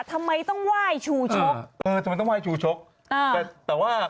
ทำไมต้องไหว้ชูชกเออทำไมต้องไห้ชูชกอ่าแต่แต่ว่า